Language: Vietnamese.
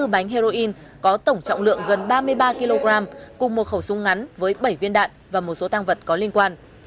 hai mươi bánh heroin có tổng trọng lượng gần ba mươi ba kg cùng một khẩu súng ngắn với bảy viên đạn và một số tăng vật có liên quan